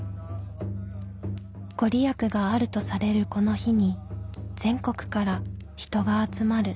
御利益があるとされるこの日に全国から人が集まる。